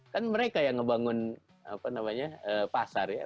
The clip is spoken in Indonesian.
kan mereka yang ngebangun apa namanya pasar ya